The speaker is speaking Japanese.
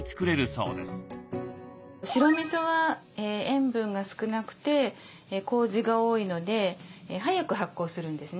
白みそは塩分が少なくてこうじが多いので早く発酵するんですね。